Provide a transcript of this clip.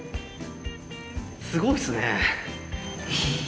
すごいですね。